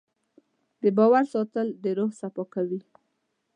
د باور ساتل د روح صفا کوي.